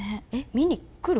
見に来る？